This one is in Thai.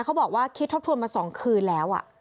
เขาบอกว่าคิดทบทวนมา๒คืนแล้ว